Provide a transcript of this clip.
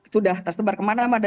sudah tersebar kemana mana